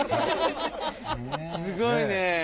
すごいね。